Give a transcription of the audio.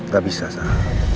gak bisa sah